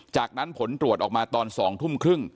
จากนั้นผลตรวจออกมาตอน๒ทุ่มครึ่ง